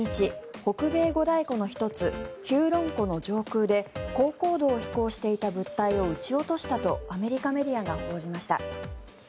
北米五大湖の１つヒューロン湖の上空で高高度を飛行していた物体を撃ち落としたとアメリカメディアが報じました。